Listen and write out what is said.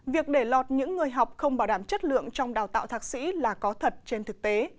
việc để lọt những người học không bảo đảm chất lượng trong đào tạo thạc sĩ là có thật trên thực tế